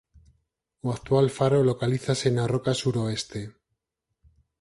O actual faro localízase na Roca Suroeste.